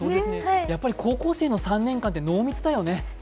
やっぱり高校生の３年間って濃密だよね。